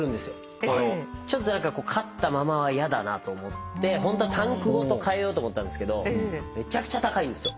ちょっと買ったままは嫌だなと思ってホントはタンクごとかえようと思ったんですけどめちゃくちゃ高いんですよ。